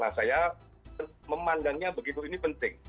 nah saya memandangnya begitu ini penting